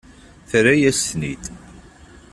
Terra-yas-ten-id.